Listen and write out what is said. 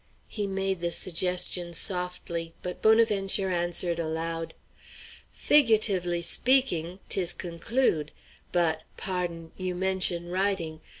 He made the suggestion softly, but Bonaventure answered aloud: "Figu'atively speaking, 'tis conclude'; but pardon you mention' writing.